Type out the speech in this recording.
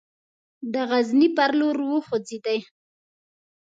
د غزني پر لور وخوځېدی.